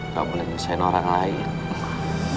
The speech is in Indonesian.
gak boleh nyusahin orang lain